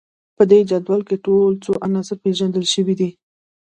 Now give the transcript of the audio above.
په دې جدول کې ټول څو عناصر پیژندل شوي دي